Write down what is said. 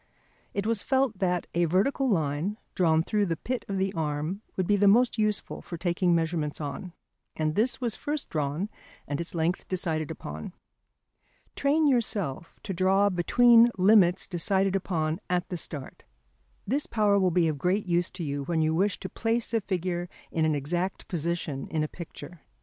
It was felt that a vertical line drawn through the pit of the arm would be the most useful for taking measurements on, and this was first drawn and its length decided upon. Train yourself to draw between limits decided upon at the start. This power will be of great use to you when you wish to place a figure in an exact position in a picture.